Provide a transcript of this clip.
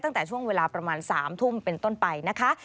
ตั้งแต่ช่วงเวลาประมาณ๓ทุ่มเป็นต้นไปนะคะ